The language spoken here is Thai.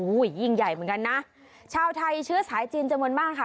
ยิ่งใหญ่เหมือนกันนะชาวไทยเชื้อสายจีนจำนวนมากค่ะ